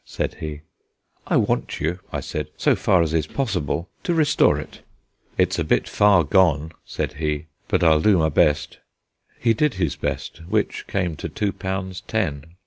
said he. "I want you," I said, "so far as is possible, to restore it." "It's a bit far gone," said he; "but I'll do my best." He did his best, which came to two pounds ten.